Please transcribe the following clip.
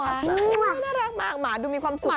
น่ารักมากหมาดูมีความสุข